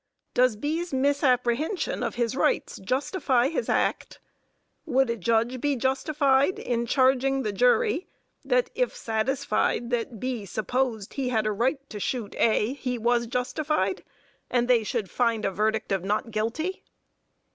Does B's misapprehension of his rights justify his act? Would a Judge be justified in charging the jury that if satisfied that B supposed he had a right to shoot A he was justified, and they should find a verdict of not guilty?